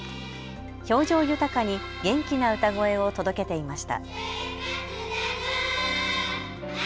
表情豊かに元気な歌声を届けていました。